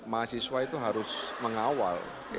mahasiswa itu harus mengawal